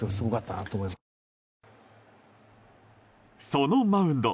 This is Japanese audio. そのマウンド。